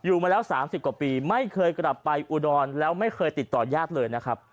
มาแล้ว๓๐กว่าปีไม่เคยกลับไปอุดรแล้วไม่เคยติดต่อญาติเลยนะครับ